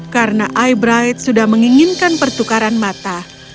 karena eyebrite sudah menginginkan pertukaran mata